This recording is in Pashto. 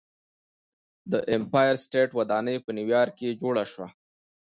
د ایمپایر سټیټ ودانۍ په نیویارک کې جوړه شوه.